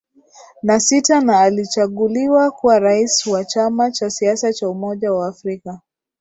na sita na alichaguliwa kuwa rais wa chama cha siasa cha umoja wa afrika